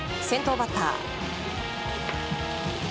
先頭バッター。